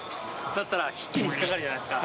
だったら、木に引っ掛かるじゃないですか。